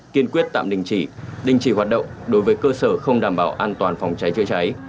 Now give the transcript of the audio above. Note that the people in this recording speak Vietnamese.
kiên quyết tạm đình chỉ đình chỉ hoạt động đối với cơ sở không đảm bảo an toàn phòng cháy chữa cháy